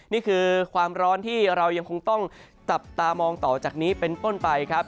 นี่คือความร้อนที่เรายังคงต้องจับตามองต่อจากนี้เป็นต้นไปครับ